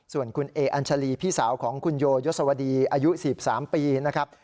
ส่วนคุณเออัญชาลีพี่สาวของคุณโยยศวดีอายุ๑๓ปีนะครับ